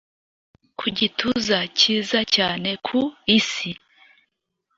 Ku gituza cyiza cyane ku isi